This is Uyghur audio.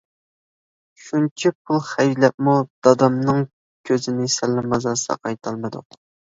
شۇنچە پۇل خەجلەپمۇ دادامنىڭ كۆزىنى سەللىمازا ساقايتالمىدۇق.